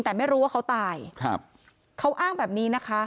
แต่ไม่รู้ว่าเขาตายครับเขาอ้างแบบนี้นะคะ